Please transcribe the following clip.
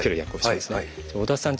織田さん